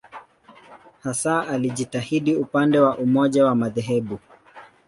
Hasa alijitahidi upande wa umoja wa madhehebu.